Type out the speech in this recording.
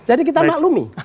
jadi kita maklumi